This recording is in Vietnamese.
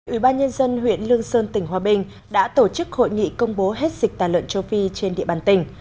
ủy ban nhân dân huyện lương sơn tỉnh hòa bình đã tổ chức hội nghị công bố hết dịch tả lợn châu phi trên địa bàn tỉnh